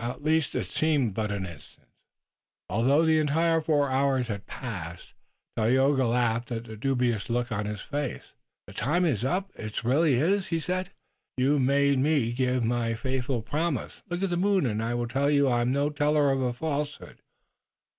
At least it seemed but an instant, although the entire four hours had passed. Tayoga laughed at the dubious look on his face. "The time is up. It really is," he said. "You made me give my faithful promise. Look at the moon, and it will tell you I am no teller of a falsehood."